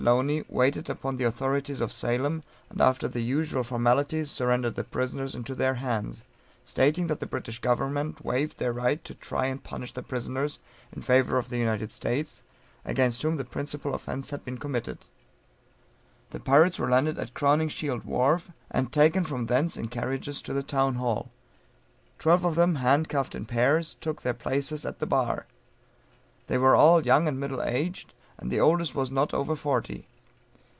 Loney, waited upon the authorities of Salem, and after the usual formalities, surrendered the prisoners into their hands stating that the British Government waived their right to try and punish the prisoners, in favor of the United States, against whom the principal offence had been committed. The pirates were landed at Crowningshield wharf, and taken from thence in carriages to the Town hall; twelve of them, handcuffed in pairs, took their places at the bar. They were all young and middle aged, the oldest was not over forty.